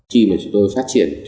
khi mà chúng tôi phát triển